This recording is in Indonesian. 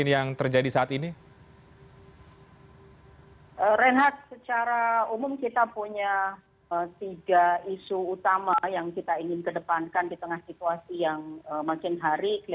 yang terjadi di indonesia